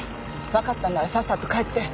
わかったんならさっさと帰って。